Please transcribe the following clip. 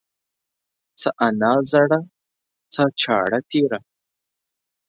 څه انا زړه ، څه چاړه تيره.